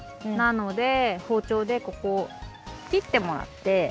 なのでほうちょうでここをきってもらって。